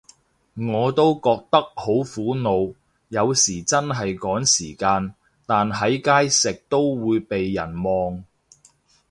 我都覺得好苦惱，有時真係趕時間，但喺街食都會被人望